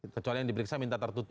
kecuali yang diperiksa minta tertutup